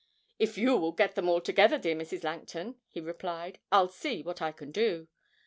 'If you will get them all together, dear Mrs. Langton,' he replied, 'I'll see what I can do.'